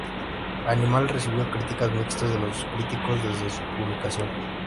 Animal recibió críticas mixtas de los críticos desde su publicación.